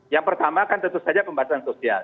yang pertama kan tentu saja pembatasan sosial